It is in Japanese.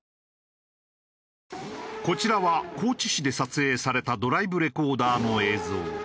こちらは高知市で撮影されたドライブレコーダーの映像。